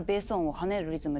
跳ねるリズム。